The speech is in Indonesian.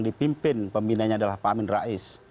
dan pimpin pembinaannya adalah pak amin rais